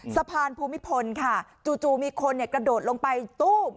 สะพานภูมิพลค่ะจู่มีคนกระโดดลงไปตู้ม